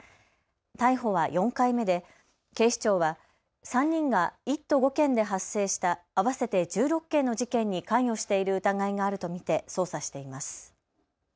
逮捕は４回目で警視庁は３人が１都５県で発生した合わせて１６件の事件に関与している疑いがあると見て捜査しています。